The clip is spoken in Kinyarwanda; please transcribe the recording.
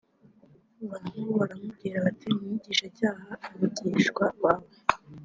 bantu baramubwira bati mwigisha cyaha abigishwa bawe